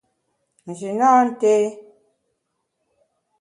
Nji nâ nté.